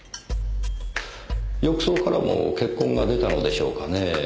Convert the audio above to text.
浴槽からも血痕が出たのでしょうかねぇ。